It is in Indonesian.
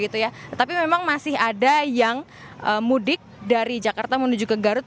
tetapi memang masih ada yang mudik dari jakarta menuju ke garut